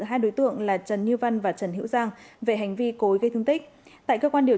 hai đối tượng là trần như văn và trần hữu giang về hành vi cối gây thương tích tại cơ quan điều